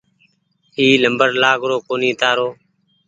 اي نمبر لآگرو ڪونيٚ تآرو